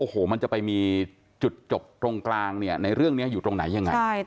มันจะจะไปมีจุดจบตรงกลางในเรื่องนี้อยู่ตรงไหนอย่างไร